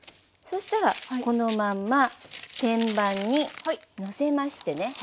そしたらこのまんま天板にのせましてね。